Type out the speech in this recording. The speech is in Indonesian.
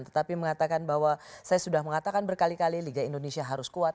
tetapi mengatakan bahwa saya sudah mengatakan berkali kali liga indonesia harus kuat